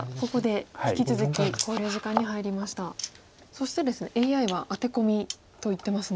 そしてですねＡＩはアテコミと言ってますね。